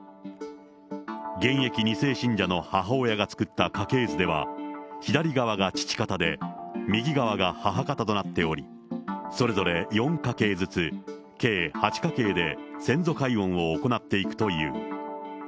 現役２世信者の母親が作った家系図では、左側が父方で、右側が母方となっており、それぞれ４家系ずつ、計８家系で先祖解怨を行っていくという。